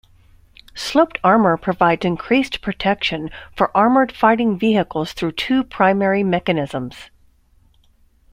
Sloped armour provides increased protection for armoured fighting vehicles through two primary mechanisms.